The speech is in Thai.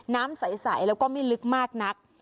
น้ำใสแล้วก็ไม่ลึกมากนัก